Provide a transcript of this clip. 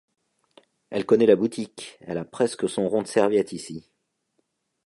Elle connaît la boutique, elle a presque son rond de serviette ici.